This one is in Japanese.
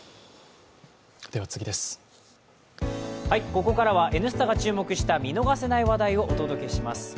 ここからは「Ｎスタ」が注目した見逃せない話題をお届けします。